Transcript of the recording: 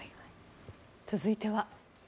続いては。